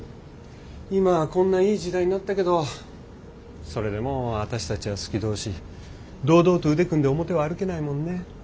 今はこんないい時代になったけどそれでも私たちは好き同士堂々と腕組んで表を歩けないもんね。